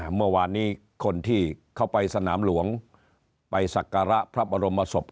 เมื่อวานนี้คนที่เข้าไปสนามหลวงไปสักการะพระบรมศพ